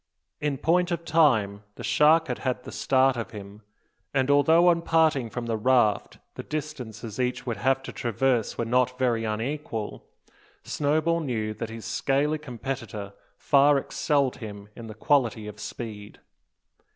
In point of time the shark had had the start of him; and, although on parting from the raft the distances each would have to traverse were not very unequal, Snowball knew that his scaly competitor far excelled him in the quality of speed.